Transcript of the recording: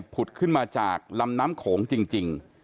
ผุดขึ้นมาจากลำน้ำโขงจริง